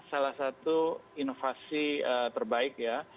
salah satu inovasi terbaik ya